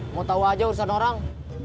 mau tahu aja urusan orang